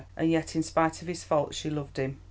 And yet, in spite of his faults, she loved him.